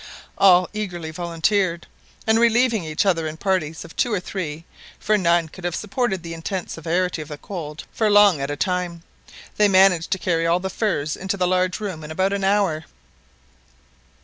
All eagerly volunteered, and relieving each other in parties of two or three, for none could have supported the intense severity of the cold for long at a time, they managed to carry all the furs into the large room in about an hour.